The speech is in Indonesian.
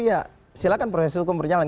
kalau memang itu ya silakan proses hukum berjalan